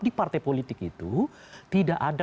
di partai politik itu tidak ada